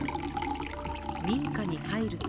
民家に入ると